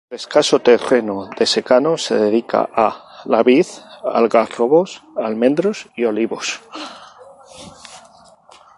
El escaso terreno de secano se dedica a la vid, algarrobos, almendros y olivos.